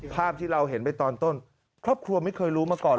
ภาพที่เราเห็นไปตอนต้นครอบครัวไม่เคยรู้มาก่อน